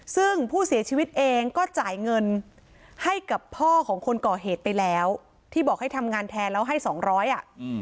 ซึ่งผู้เสียชีวิตเองก็จ่ายเงินให้กับพ่อของคนก่อเหตุไปแล้วที่บอกให้ทำงานแทนแล้วให้สองร้อยอ่ะ